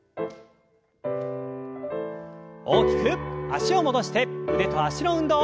脚を戻して腕と脚の運動。